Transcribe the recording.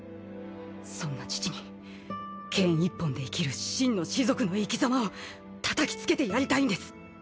そんな父に剣一本で生きる真の士族の生き様をたたきつけてやりたいんです。